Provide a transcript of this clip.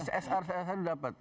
sebenarnya dari ssr saya saja dapat